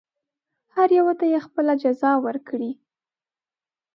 هر یوه ته یې خپله جزا ورکړي.